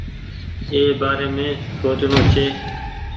اي بآري سوچڻو ڇي۔